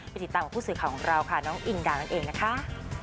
ติดตามกับผู้สื่อข่าวของเราค่ะน้องอิงดาวนั่นเองนะคะ